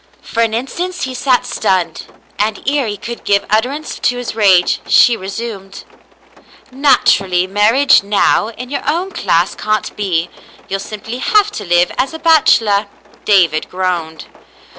For an instant he sat stunned, and ere he could give utterance to his rage, she resumed, "Naturally, marriage now, in your own class can't be; you'll simply have to live as a bachelor." David groaned.